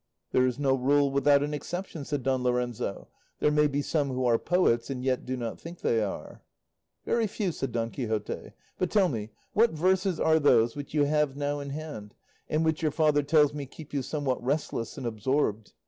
"There is no rule without an exception," said Don Lorenzo; "there may be some who are poets and yet do not think they are." "Very few," said Don Quixote; "but tell me, what verses are those which you have now in hand, and which your father tells me keep you somewhat restless and absorbed?